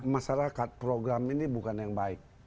masyarakat program ini bukan yang baik